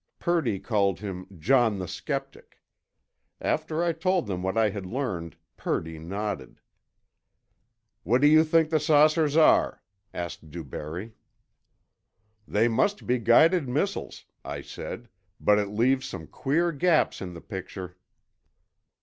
Purdy called him "John the Skeptic." After I told them what I had learned Purdy nodded. "What do you think the saucers are?" asked DuBarry. "They must be guided missiles," I said, "but it leaves some queer gaps in the picture."